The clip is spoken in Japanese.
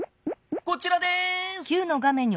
こちらです。